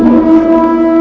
aku akan menang